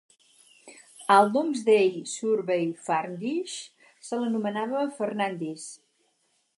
Al Domesday Survey, Farndish se l'anomenava "Fernadis".